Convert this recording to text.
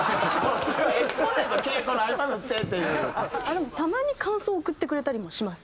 でもたまに感想送ってくれたりもします。